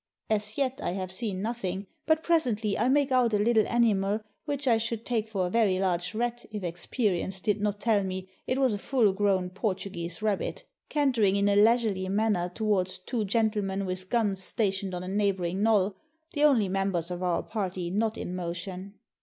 As yet I have seen nothing; but presently I make out a little animal which I should take for a very large rat if experience did not tell me it was a full grown Portuguese 631 PORTUGAL rabbit, cantering in a leisurely manner towards two gen tlemen with guns stationed on a neighboring knoll, the only members of our party not in motion.